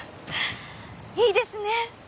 いいですね。